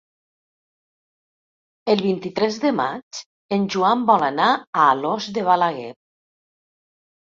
El vint-i-tres de maig en Joan vol anar a Alòs de Balaguer.